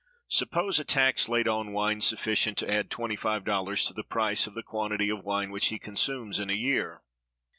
Suppose a tax laid on wine, sufficient to add [$25] to the price of the quantity of wine which he consumes in a year.